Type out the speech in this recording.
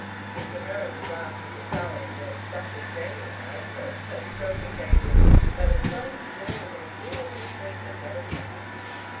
Mr. Merriman's laugh at this sally was such a genuine outburst and so contagious that it started the dinner with an agreeable swing that never slackened.